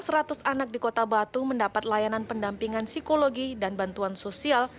seratus anak di kota batu mendapat layanan pendampingan psikologi dan bantuan sosial